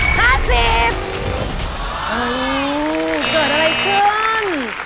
เกิดอะไรขึ้น